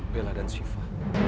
bella dan syifa